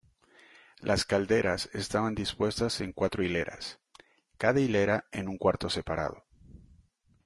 Las calderas estaban dispuestas en cuatro hileras, cada hilera en un cuarto separado.